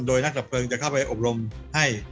โดยนักดับเพลิงจะเข้าไปอบรมให้